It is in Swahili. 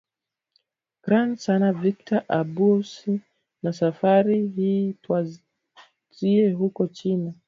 kran sana victor abuso na safari hii twazie huko china